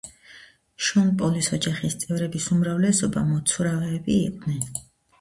შონ პოლის ოჯახის წევრების უმრავლესობა მოცურავეები იყვნენ.